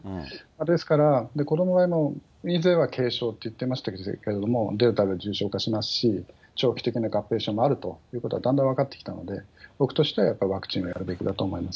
ですから、子どもがいずれは、軽症って言ってましたけど、デルタは重症化しますし、長期的に合併症もあるということもだんだん分かってきたので、僕としてはワクチンはやるべきだと思います。